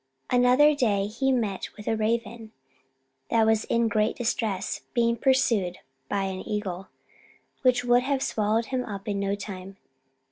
Another day he met with a raven that was in great distress, being pursued by an eagle, which would have swallowed him up in no time.